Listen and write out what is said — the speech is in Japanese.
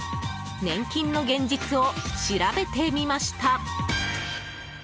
年金の現実を調べてみました。